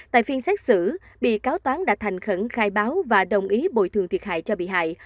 tại phiên xét xử bị cáo toán đã thành khẩn khai báo và đồng ý bồi thường thiệt hại cho bị hại